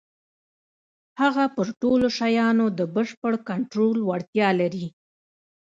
هغه پر ټولو شيانو د بشپړ کنټرول وړتيا لري.